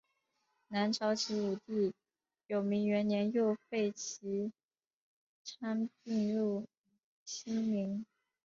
南朝齐武帝永明元年又废齐昌并入兴宁。